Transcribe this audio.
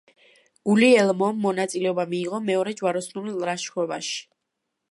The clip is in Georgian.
გულიელმომ მონაწილეობა მიიღო მეორე ჯვაროსნული ლაშქრობაში.